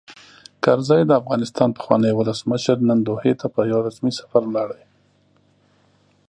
کرزی؛ د افغانستان پخوانی ولسمشر، نن دوحې ته په یوه رسمي سفر ولاړ.